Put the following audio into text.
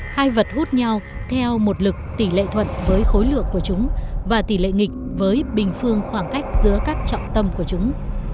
hai vật hút nhau theo một lực tỷ lệ thuận với khối lượng của chúng và tỷ lệ nghịch với bình phương khoảng cách giữa các trọng tâm của chúng